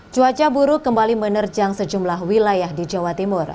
cuaca buruk kembali menerjang sejumlah wilayah di jawa timur